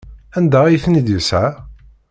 Anda ay ten-id-yesɣa?